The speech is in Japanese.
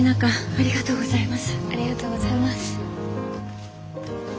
ありがとうございます。